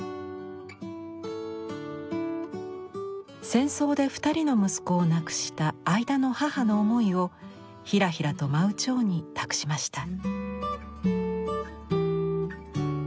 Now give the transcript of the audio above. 戦争で２人の息子を亡くした相田の母の思いをひらひらと舞う蝶に託しました。